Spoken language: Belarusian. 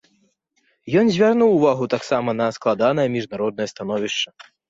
Ён звярнуў увагу таксама на складанае міжнароднае становішча.